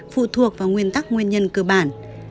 phụ thuộc vào nguyên tắc nguyên nhân cơ bản